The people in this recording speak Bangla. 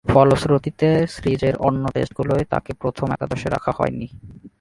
ফলশ্রুতিতে সিরিজের অন্য টেস্টগুলোয় তাকে প্রথম একাদশে রাখা হয়নি।